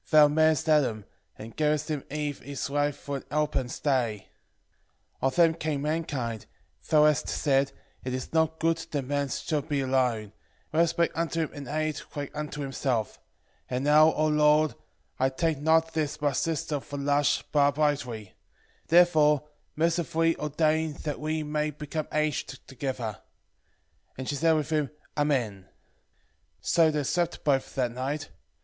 8:6 Thou madest Adam, and gavest him Eve his wife for an helper and stay: of them came mankind: thou hast said, It is not good that man should be alone; let us make unto him an aid like unto himself. 8:7 And now, O Lord, I take not this my sister for lust, but uprightly: therefore mercifully ordain that we may become aged together. 8:8 And she said with him, Amen. 8:9 So they slept both that night.